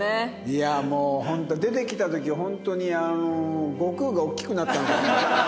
いやもうホント出てきた時ホントにあの悟空が大きくなったのかなと。